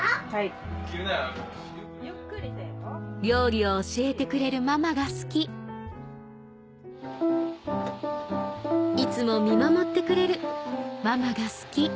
料理を教えてくれるママが好きいつも見守ってくれるママが好き